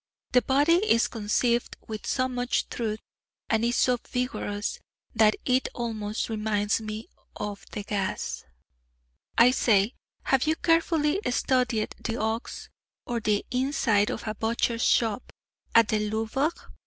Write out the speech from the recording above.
The body is conceived with so much truth, and is so vigorous,{I} that it almost reminds me of Degas. I say, have you carefully studied "The Ox," or "The Inside of a Butcher's Shop" at the Louvre?